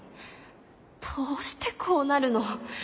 どうしてこうなるの？